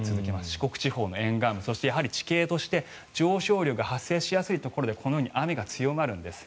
四国地方の沿岸部そしてやはり地形として上昇流が発生しやすいところでこのように雨が強まるんです。